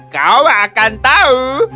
kau akan tahu